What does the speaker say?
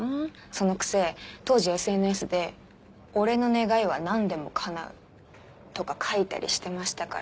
そのくせ当時ＳＮＳで「俺の願いは何でも叶う」とか書いたりしてましたから。